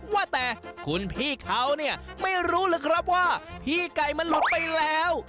ว่าแต่คุณพี่เขาเนี่ยไม่รู้หรือครับว่าพี่ไก่มันหลุดไปแล้ว